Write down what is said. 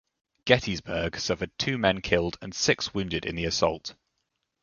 "Gettysburg" suffered two men killed and six wounded in the assault.